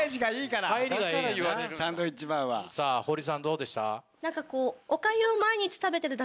さぁ堀さんどうでした？